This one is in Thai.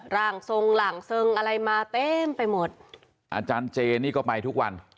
ร่างทรงหลังทรงอะไรมาเต็มไปหมดอาจารย์เจนี่ก็ไปทุกวัน